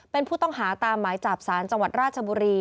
เป็นผู้ต้องหาตามหมายจับสารจังหวัดราชบุรี